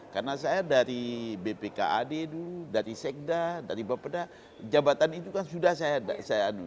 karena saya dari bpkad dulu dari sekda dari bapak pada jabatan itu kan sudah saya adu